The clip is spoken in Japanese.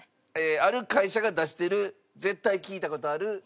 ある会社が出してる絶対聞いた事ある。